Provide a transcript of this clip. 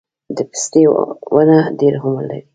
د پستې ونه ډیر عمر لري؟